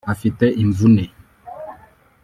afite imvune”